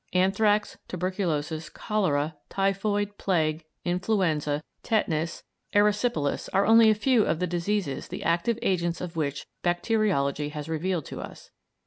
Anthrax, tuberculosis, cholera, typhoid, plague, influenza, tetanus, erysipelas, are only a few of the diseases the active agents of which bacteriology has revealed to us.